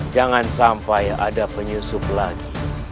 jangan sampai ada penyusup lagi